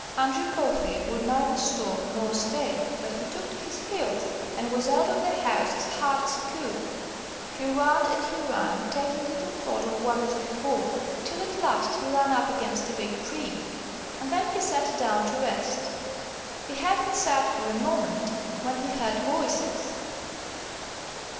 Andrew Coffey would neither stop nor stay, but he took to his heels and was out of the house as hard as he could. He ran and he ran, taking little thought of what was before till at last he ran up against a big tree. And then he sat down to rest. He hadn't sat for a moment when he heard voices.